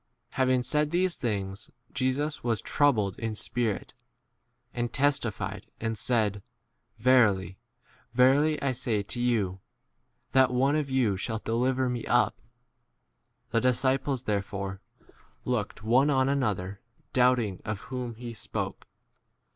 21 Having said these things, Jesus was troubled in spirit, and testi fied and said, Verily, verily, I say to you, that one of you shall de 22 liver me up. The disciples there fore looked one on another, doubt 23 ing of whom he spoke.